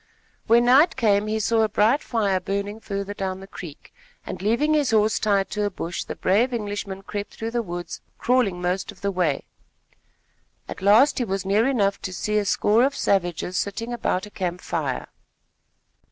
When night came, he saw a bright fire burning further down the creek, and, leaving his horse tied to a bush, the brave Englishman crept through the woods, crawling most of the way. At last he was near enough to see a score of savages sitting about a camp fire.